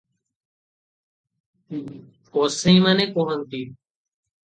"ଗୋସେଇଁମାନେ କୁହନ୍ତୁ